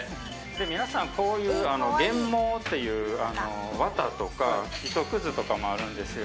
皆さん、こういう原毛っていう綿とか糸くずとかもあるんですよ。